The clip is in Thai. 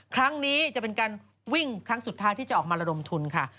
ครั้งนี้จะเป็นการวิ่งครั้งสุดท้ายที่จะออกมาระดมทุนค่ะ